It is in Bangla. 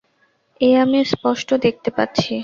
এ আমি স্পষ্ট দেখতে পাচ্ছি।